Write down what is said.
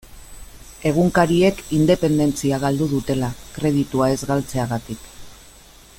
Egunkariek independentzia galdu dutela, kreditua ez galtzegatik.